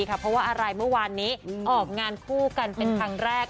เพราะว่าอะไรเมื่อวานนี้ออกงานคู่กันเป็นครั้งแรก